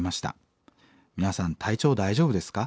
皆さん体調大丈夫ですか？